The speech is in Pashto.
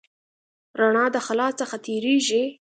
رڼا د خلا څخه تېرېږي.